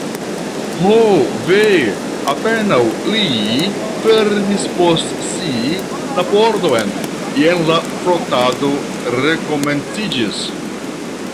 Ho ve, apenaŭ li fermis post si la pordon, jen la frotado rekomenciĝis.